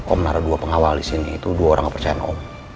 om naro dua pengawal disini itu dua orang gak percaya sama om